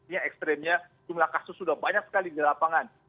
yang ekstrimnya jumlah kasus sudah banyak sekali di lapangan